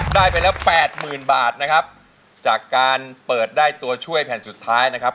ได้ไปแล้วแปดหมื่นบาทนะครับจากการเปิดได้ตัวช่วยแผ่นสุดท้ายนะครับ